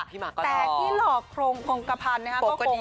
พี่มากก็หลอกโป๊ปก็ดีโป๊ปก็ดีพี่แบรี่แต่ที่หลอกโครงกระพันธุ์นะครับ